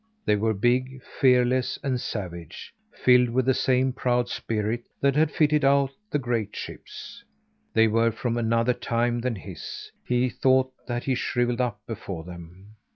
They were big, fearless and savage: filled with the same proud spirit that had fitted out the great ships. They were from another time than his. He thought that he shrivelled up before them.